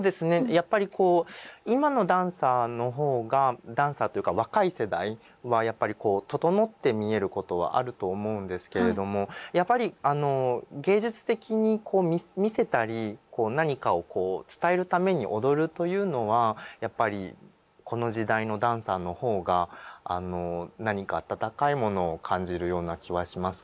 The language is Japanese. やっぱりこう今のダンサーの方がダンサーというか若い世代はやっぱりこう整って見えることはあると思うんですけれどもやっぱりあの芸術的にこう見せたり何かを伝えるために踊るというのはやっぱりこの時代のダンサーの方が何か温かいものを感じるような気はしますかね。